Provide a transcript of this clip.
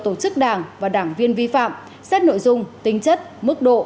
tổ chức đảng và đảng viên vi phạm xét nội dung tính chất mức độ